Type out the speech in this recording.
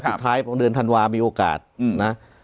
สุดท้ายผมเดินท่านวามีโอกาสนะ